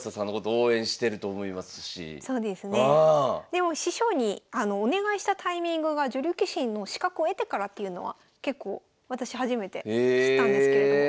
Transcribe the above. でも師匠にお願いしたタイミングが女流棋士の資格を得てからっていうのは結構私初めて知ったんですけれども。